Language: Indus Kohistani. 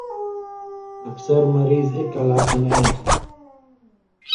اکثر مریض اېک علاقہ نہ اېں تھو۔